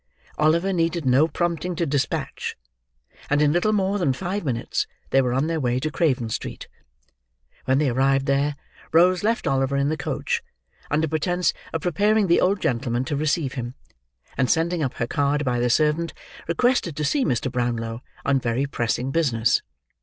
Oliver needed no prompting to despatch, and in little more than five minutes they were on their way to Craven Street. When they arrived there, Rose left Oliver in the coach, under pretence of preparing the old gentleman to receive him; and sending up her card by the servant, requested to see Mr. Brownlow on very pressing business.